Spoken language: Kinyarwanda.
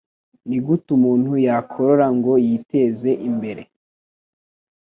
nigute umuntu yakorora ngo yiteze imbere